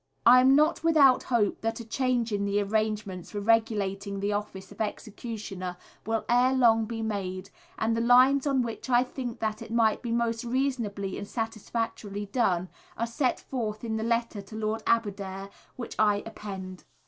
I am not without hope that a change in the arrangements for regulating the office of executioner will ere long be made, and the lines on which I think that it might be most reasonably and satisfactorily done, are set forth in the letter to Lord Aberdare, which I append.